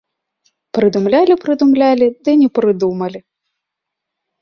Прыдумлялі, прыдумлялі ды не прыдумалі.